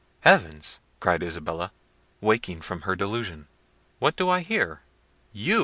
"Heavens!" cried Isabella, waking from her delusion, "what do I hear? You!